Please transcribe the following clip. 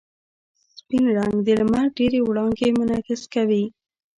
سپین رنګ د لمر ډېرې وړانګې منعکس کوي.